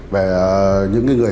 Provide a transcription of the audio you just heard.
về những người lái xe hợp đồng